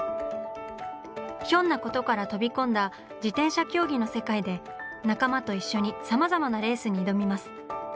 ひょんなことから飛び込んだ自転車競技の世界で仲間と一緒にさまざまなレースに挑みます。